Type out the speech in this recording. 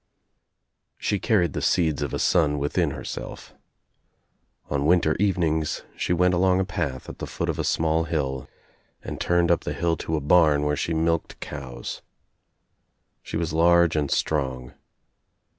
* She carried the seeds of a son within herself. On winter evenings she went along a path at the foot of a small hill and turned up the hill to a barn where she milked cows. She was large and strong.